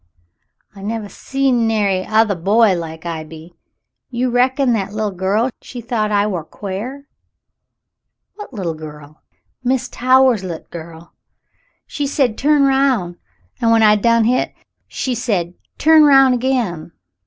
'* "I nevah see nary othah boy like I be. You reckon that li'l' girl, she thought I war quare "^"|] What little girl .^';^ "Mrs. Towahs's liT girl. She said 'turn roun', ' an' when I done hit, she said ' turn roun' agin.'